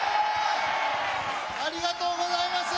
ありがとうございます！